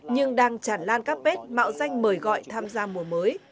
nhưng đang tràn lan các bếp mạo danh mời gọi tham gia mùa mới